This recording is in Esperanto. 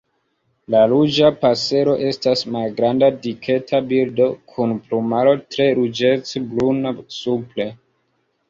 La Ruĝa pasero estas malgranda diketa birdo, kun plumaro tre ruĝecbruna supre.